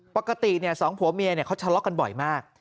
ปกติสองผัวเมียเขาทะเลาะกันบ่อยมาก